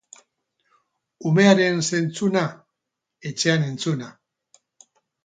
Umearen zentzuna, etxean entzuna.